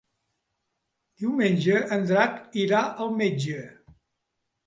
Diumenge en Drac irà al metge.